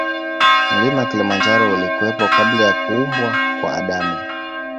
Mlima kilimanjaro ulikuwepo kabla ya kuumbwa kwa adamu